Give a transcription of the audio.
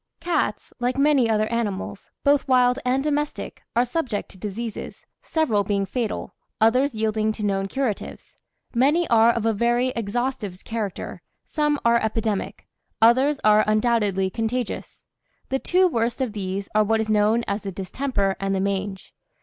Cats, like many other animals, both wild and domestic, are subject to diseases, several being fatal, others yielding to known curatives; many are of a very exhaustive character, some are epidemic, others are undoubtedly contagious the two worst of these are what is known as the distemper and the mange.